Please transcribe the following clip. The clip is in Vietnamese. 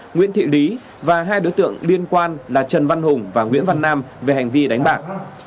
nguyễn thị lý và hai đối tượng liên quan là trần văn hùng và nguyễn văn nam về hành vi đánh bạc